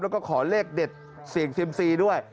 แล้วก็ขอเลขเด็ดเสี่ยงเซียมซีด้วย